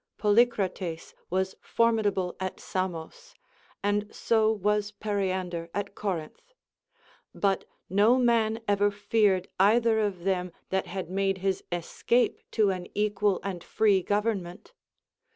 4. Polycrates was formidable at Samos, and so was Periander at Corinth ; but no man ever feared eitlier of them that had made his escape to an equal and free government.